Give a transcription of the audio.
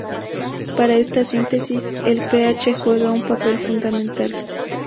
Para esta síntesis, el pH juega un papel fundamental.